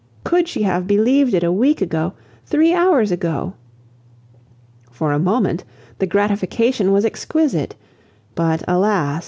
Could she have believed it a week ago; three hours ago! For a moment the gratification was exquisite. But, alas!